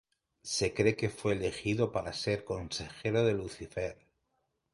Se cree que fue elegido para ser consejero de Lucifer.